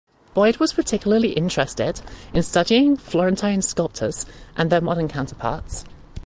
Boyd was particularly interested in studying Florentine sculptors and their modern counterparts.